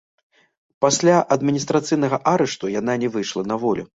Пасля адміністрацыйнага арышту яна не выйшла на волю.